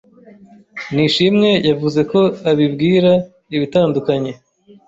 Nishimwe yavuze ko abibwira ibitandukanye